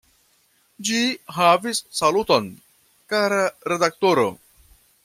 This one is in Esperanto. Ĝi havis saluton: "Kara redaktoro!